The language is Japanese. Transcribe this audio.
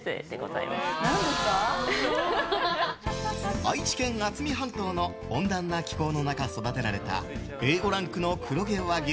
愛知県渥美半島の温暖な気候の中育てられたＡ５ランクの黒毛和牛